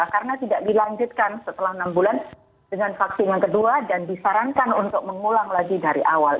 karena tidak dilanjutkan setelah enam bulan dengan vaksin yang kedua dan disarankan untuk mengulang lagi dari awal